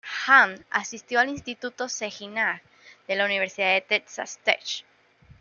Ham asistió al Instituto Saginaw y a la Universidad de Texas Tech.